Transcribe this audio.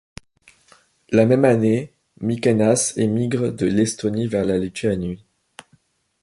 La même année, Mikėnas émigre de l'Estonie vers la Lituanie.